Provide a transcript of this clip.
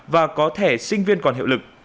và có thẻ sinh viên còn hiệu lực